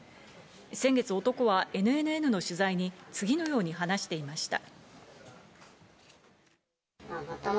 先月、男はＮＮＮの取材に次のように話していました。